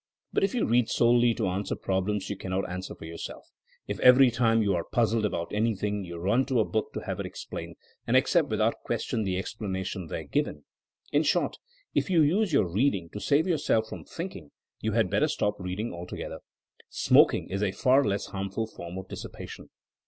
But if you read solely to answer problems you cannot an swer for yourself, if every time you are puzzled about anything you run to a book to have it ex plained, and accept without question the ex planation there given ; in short, if you use your reading to save yourself from thinking, you had better stop reading altogether. Smoking is a far less harmful form of dissipation.